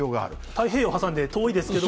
太平洋を挟んで、遠いですけれども。